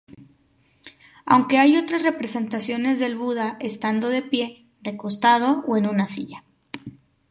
Aunque hay otras representaciones del Buda estando de pie, recostado, o en una silla.